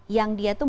yang dia tuh